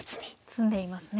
詰んでいますね。